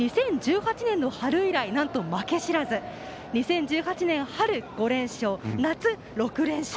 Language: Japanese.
２０１８年尾春以来なんと負け知らず２０１８年春５連勝、夏６連勝